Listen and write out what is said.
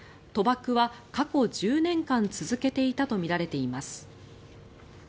賭博は過去１０年間続けていたとみられています。